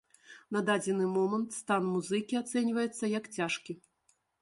На дадзены момант стан музыкі ацэньваецца як цяжкі.